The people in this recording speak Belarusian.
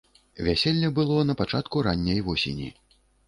Вяселле было на пачатку ранняй восені.